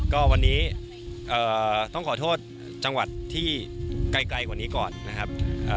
ก็วันนี้ต้องขอโทษจังหวัดที่ไกลกว่านี้ก่อนนะครับ